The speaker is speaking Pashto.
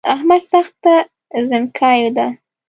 احمد سخته زڼکای ده